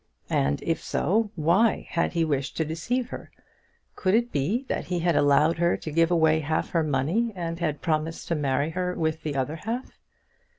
And if so, why had he wished to deceive her? Could it be that he had allowed her to give away half her money, and had promised to marry her with the other half?